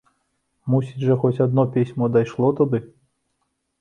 Мусіць жа, хоць адно пісьмо дайшло туды!